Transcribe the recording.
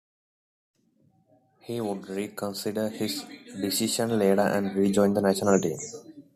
He would reconsider his decision later and rejoin the national team.